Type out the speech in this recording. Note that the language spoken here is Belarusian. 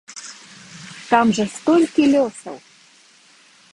Там жа столькі лёсаў!